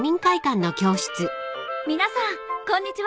皆さんこんにちは。